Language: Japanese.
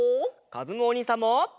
かずむおにいさんも！